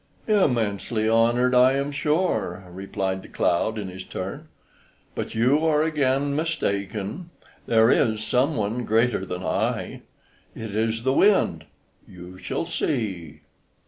"Immensely honored, I am sure," replied the cloud in his turn, "but you are again mistaken; there is some one greater than I; it is the wind. You shall see."